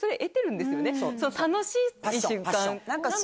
楽しい瞬間。